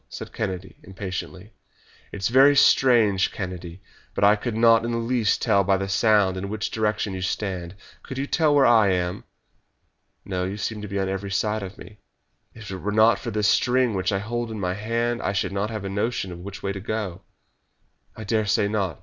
said Kennedy impatiently. "It's very strange, Kennedy, but I could not in the least tell by the sound in which direction you stand. Could you tell where I am?" "No; you seem to be on every side of me." "If it were not for this string which I hold in my hand I should not have a notion which way to go." "I dare say not.